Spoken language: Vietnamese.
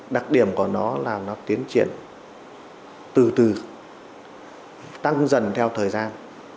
đặc điểm của nó là nó tiến triển từ từ tăng dần theo thời gian